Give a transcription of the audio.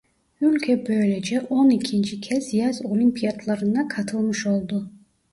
Ülke böylece on ikinci kez Yaz Olimpiyatları'na katılmış oldu.